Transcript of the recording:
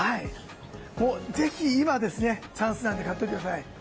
ぜひ今、チャンスなので買っておいてください。